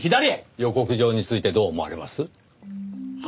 予告状についてどう思われます？は？